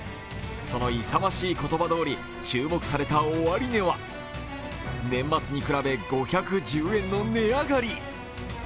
その勇ましい言葉どおり注目された終値は年末に比べ５１０円の値上がり。